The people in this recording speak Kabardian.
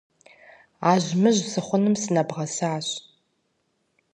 Ажьмыжь сыхъуным сынэбгъэсащ.